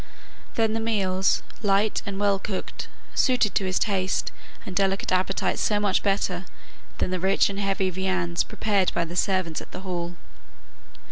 Then the meals, light and well cooked, suited his taste and delicate appetite so much better than the rich and heavy viands prepared by the servants at the Hall.